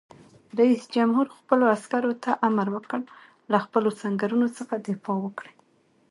رئیس جمهور خپلو عسکرو ته امر وکړ؛ له خپلو سنگرونو څخه دفاع وکړئ!